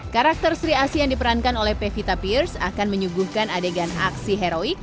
karakter sri asi yang diperankan oleh pevita pierce akan menyuguhkan adegan aksi heroik